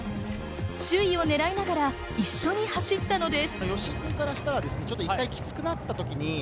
首位をねらいながら、一緒に走ったのです。